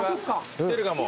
知ってるかも。